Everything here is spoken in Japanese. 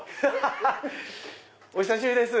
お久しぶりです。